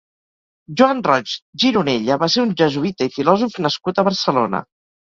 Joan Roig Gironella va ser un jesuïta i filòsof nascut a Barcelona.